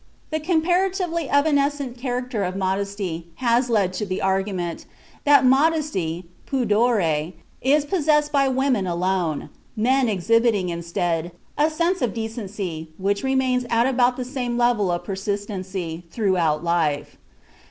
The comparatively evanescent character of modesty has led to the argument (Venturi, Degenerazioni Psico sessuali, pp. 92 93) that modesty (pudore) is possessed by women alone, men exhibiting, instead, a sense of decency which remains at about the same level of persistency throughout life.